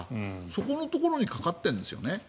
そこのところにかかっているんですよね。